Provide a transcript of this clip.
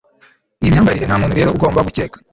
iyi myambarire, ntamuntu rero ugomba gukeka